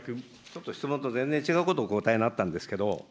ちょっと質問と全然違うことをお答えになったんですけれども。